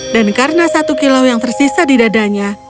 dan karena satu kilo yang tersisa di dadanya